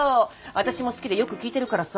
私も好きでよく聴いてるからさ。